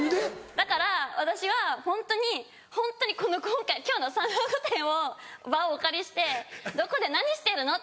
だから私はホントにホントにこの今回今日の『さんま御殿‼』の場をお借りしてどこで何してるの？って。